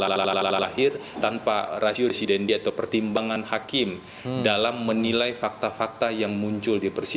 tidak akan mungkin sebuah amar itu lalakhir tanpa rasio desidendi atau pertimbangan hakim dalam menilai fakta fakta yang muncul di persidangan